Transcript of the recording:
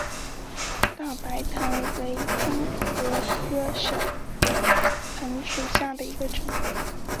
大白藤为棕榈科省藤属下的一个种。